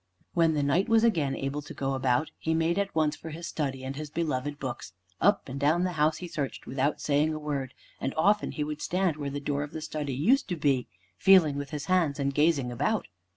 When the Knight was again able to go about, he made at once for his study and his beloved books. Up and down the house he searched without saying a word, and often he would stand where the door of the study used to be, feeling with his hands and gazing about.